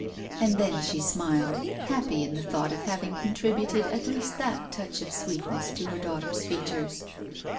And then she smiled, happy in the thought of having contributed at least that touch of sweetness to her daughter's features.